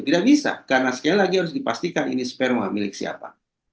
tidak bisa karena sekali lagi harus dipastikan ini sperma milik siapa